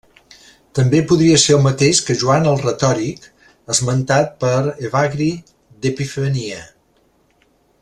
També podria ser el mateix que Joan el Retòric esmentat per Evagri d'Epifania.